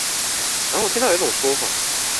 然後，我有聽到一個說法